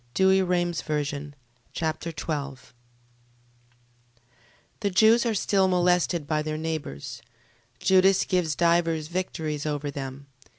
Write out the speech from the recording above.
2 Machabees Chapter 12 The Jews are still molested by their neighbours. Judas gains divers victories over them.